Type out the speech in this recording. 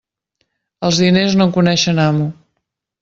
Els diners no coneixen amo.